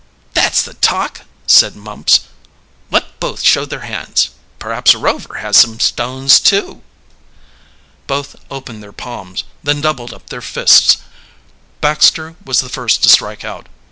"That's the talk!" said Mumps. "Let both show their hands! Perhaps Rover has some stones, too!" Both opened their palms, then doubled up their fists. Baxter was the first to strike out.